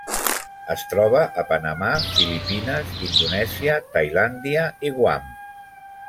Es troba a Panamà, Filipines, Indonèsia, Tailàndia i Guam.